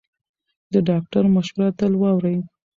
د ډاکټر مشوره تل واورئ.